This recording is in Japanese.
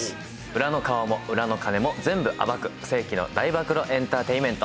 裏の顔も裏の金も全部暴く世紀の大暴露エンターテインメント。